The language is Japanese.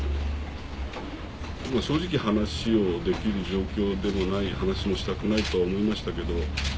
正直話をできる状況でもない話もしたくないとは思いましたけど。